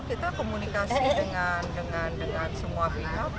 kita komunikasi dengan semua pihak